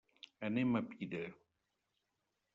Anem a Pira.